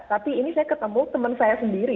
tapi ini saya ketemu teman saya sendiri